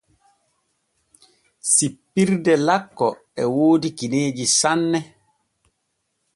Sippirde lakko e woodi gineeji sanne.